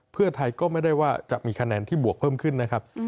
เพื่อไทยก็ไม่ได้ว่าจะมีคะแนนที่บวกเพิ่มขึ้นนะครับ